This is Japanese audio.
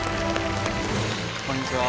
こんにちは。